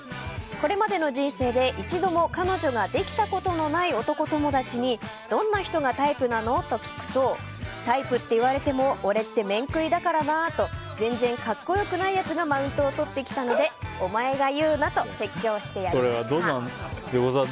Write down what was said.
これまでの人生で一度も彼女ができたことのない男友達にどんな人がタイプなの？と聞くとタイプって言われても俺って面食いだからなと全然格好よくないやつがマウントをとってきたのでお前が言うなと説教してやりました。